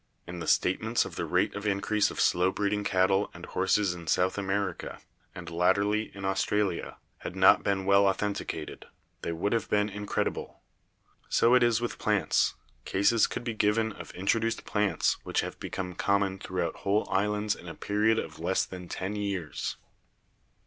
If the statements of the rate of increase of slow breeding cattle and horses in South America, and latterly in Australia, had not been well authenticated, they would have been incredible. So it is with plants; cases could be given of introduced plants which have become common throughout whole islands in a period of less than ten years.